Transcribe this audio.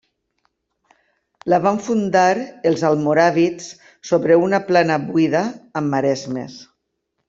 La van fundar els almoràvits sobre una plana buida, amb maresmes.